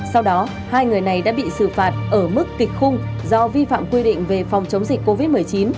sau đó hai người này đã bị xử phạt ở mức kịch khung do vi phạm quy định về phòng chống dịch covid một mươi chín